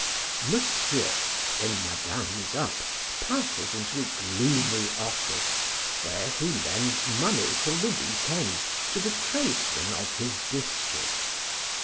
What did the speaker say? Monsieur, when Madame is up, passes into a gloomy office, where he lends money till the week end to the tradesmen of his district.